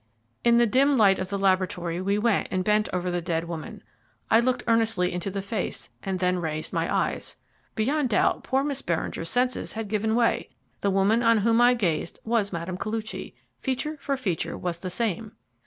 In the dim light of the laboratory we went and bent over the dead woman. I looked earnestly into the face, and then raised my eyes. Beyond doubt, poor Miss Beringer's senses had given way. The woman on whom I gazed was Mme. Koluchy. Feature for feature was the same.